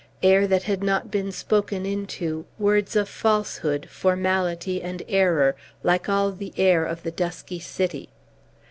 air that had not been spoken into words of falsehood, formality, and error, like all the air of the dusky city!